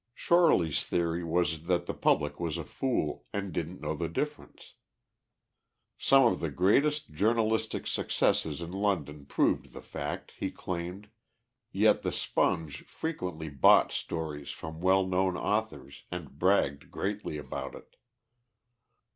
Shorely's theory was that the public was a fool, and didn't know the difference. Some of the greatest journalistic successes in London proved the fact, he claimed, yet the Sponge frequently bought stories from well known authors, and bragged greatly about it.